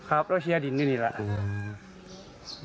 ครับแล้วเชียดินอยู่นี่แหละ